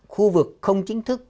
khu vực không chính thức